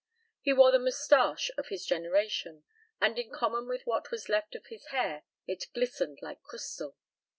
He wore the moustache of his generation and in common with what was left of his hair it glistened like crystal.